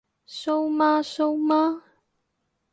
蘇媽蘇媽？